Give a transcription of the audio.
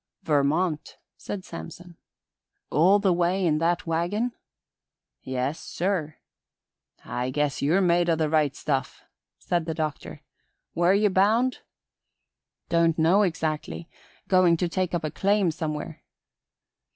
"Vermont," said Samson. "All the way in that wagon?" "Yes, sir." "I guess you're made o' the right stuff," said the Doctor. "Where ye bound?" "Don't know exactly. Going to take up a claim somewhere."